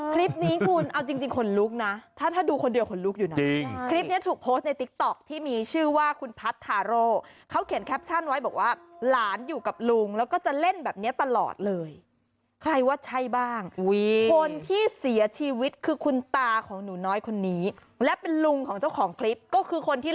คลิปนี้คุณเอาจริงจริงขนลุกนะถ้าถ้าดูคนเดียวขนลุกอยู่นะจริงคลิปนี้ถูกโพสต์ในติ๊กต๊อกที่มีชื่อว่าคุณพัทธาโร่เขาเขียนแคปชั่นไว้บอกว่าหลานอยู่กับลุงแล้วก็จะเล่นแบบนี้ตลอดเลยใครว่าใช่บ้างคนที่เสียชีวิตคือคุณตาของหนูน้อยคนนี้และเป็นลุงของเจ้าของคลิปก็คือคนที่